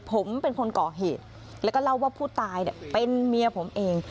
ผมเป็นคนก่อเหตุแล้วก็เล่าว่าผู้ตายเป็นเมียผมเอง